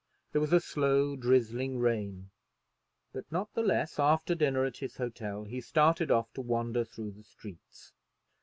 There was a slow drizzling rain; but not the less after dinner at his hotel he started off to wander through the streets.